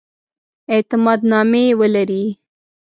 اعتماد نامې ولري.